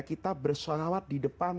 kita bersholawat di depan